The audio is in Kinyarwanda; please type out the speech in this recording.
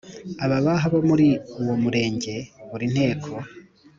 aba baha i bo muri uwo murenge Buri Nteko